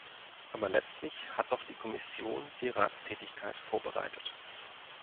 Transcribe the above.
Aber letztlich hat doch die Kommission die Ratstätigkeit vorbereitet.